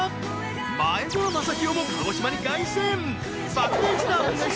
前園真聖も鹿児島に凱旋！